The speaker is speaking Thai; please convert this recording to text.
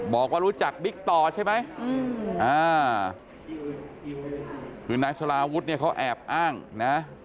บอกว่ารู้จักบิ๊กต่อใช่ไหมคือนายสลาวุฒิเนี่ยเขาแอบอ้างนะ